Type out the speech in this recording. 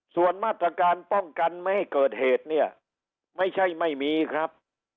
ส่วนมาตรการป้องกันไม่ให้เกิดเหตุเนี่ยไม่ใช่ไม่มีครับ